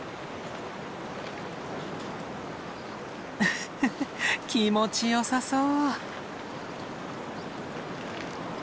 フフフッ気持ちよさそう。